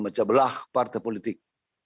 dan memecah belah partai politik